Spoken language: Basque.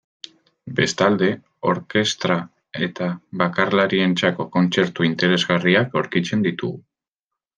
Bestalde, orkestra eta bakarlarientzako kontzertu interesgarriak aurkitzen ditugu.